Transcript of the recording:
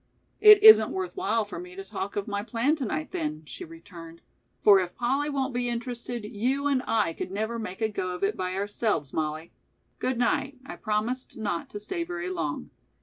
"It isn't worth while for me to talk of my plan to night, then," she returned, "for if Polly won't be interested, you and, I could never make a go of it by ourselves, Mollie. Good night; I promised not to stay very long."